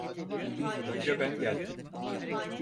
Önce ben geldim.